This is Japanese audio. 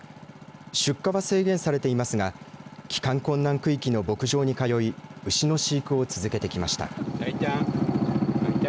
出荷は制限されていますが帰還困難区域の牧場に通い牛の飼育を続けてきました。